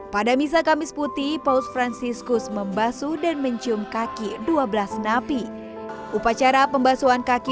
pada misa kamis putih paus franciscus membasu dan mencium kaki dua belas napi upacara pembasuan kaki